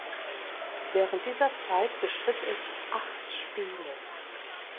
Während dieser Zeit bestritt es acht Spiele.